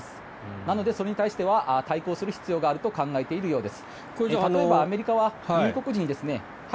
なのでそれに対しては対抗する必要があると考えているようです。